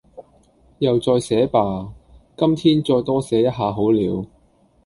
又再寫吧...今天再多寫一下好了